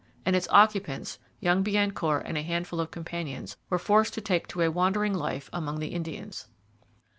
And its occupants, young Biencourt and a handful of companions, were forced to take to a wandering life among the Indians.